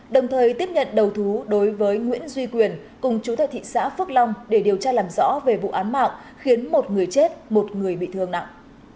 đồng thời tiếp nhận đầu thú đối với nguyễn duy quyền cùng chú tại thị xã phước long để điều tra làm rõ về vụ án mạng khiến một người chết một người bị thương nặng